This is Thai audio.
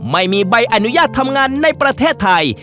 ไม่มีใบอนุญาตทำงานในประเทศไทย